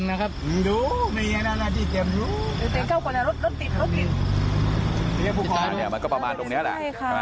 ผมมีอำนาจงานาที่เต็มนะครับ